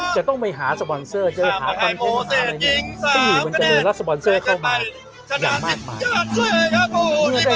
จะต้องไปหาสปอนเซอร์ที่ตามมาแล้วสปอนเซอร์เข้ามาอยากมากไป